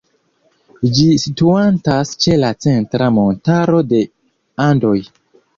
Ĝi situantas ĉe la Centra Montaro de Andoj.